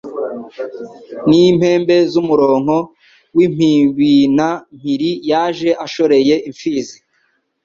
N' impembe z' umuronko w' imbibiNa mpiri yaje ashoreye imfizi